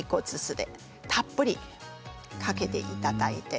たっぷりかけていただいて。